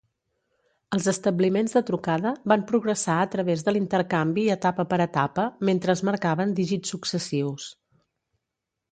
Els establiments de trucada van progressar a través de l'intercanvi etapa per etapa, mentre es marcaven dígits successius.